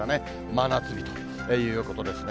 真夏日ということですね。